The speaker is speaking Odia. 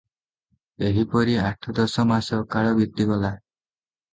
ଏହିପରି ଆଠ ଦଶ ମାସ କାଳ ବିତିଗଲା ।